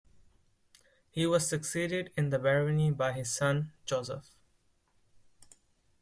He was succeeded in the barony by his son, Joseph.